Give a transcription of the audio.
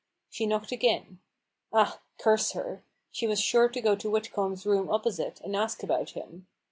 She knocked again. Ah, curse her ! She was sure to go to Whitcomb's rooms opposite, and ask about him.